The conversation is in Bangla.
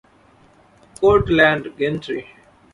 Court land gantry.